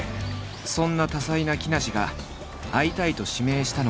そんな多才な木梨が会いたいと指名したのが。